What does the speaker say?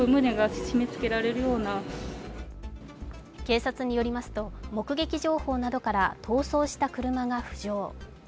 警察によりますと、目撃情報などから逃走した車が浮上。